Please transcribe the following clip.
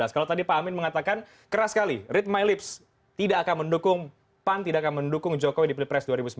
kalau tadi pak amin mengatakan keras sekali red my lips tidak akan mendukung pan tidak akan mendukung jokowi di pilpres dua ribu sembilan belas